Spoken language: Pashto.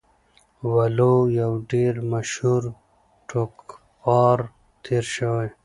وَلُو يو ډير مشهور ټوکپار تير شوی